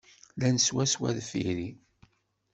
Llan swaswa deffir-i.